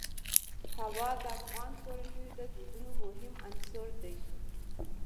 هوا د افغان کورنیو د دودونو مهم عنصر دی.